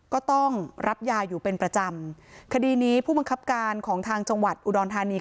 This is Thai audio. ก็ต้องรับยาอยู่เป็นประจำคดีนี้ผู้บังคับการของทางจังหวัดอุดรธานี